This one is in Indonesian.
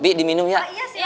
bi diminum ya